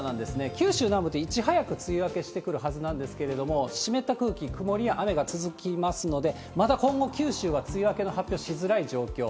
九州南部っていち早く梅雨明けしてくるはずなんですけれども、湿った空気、曇りや雨が続きますので、まだ今後、九州は梅雨明けの発表しづらい状況。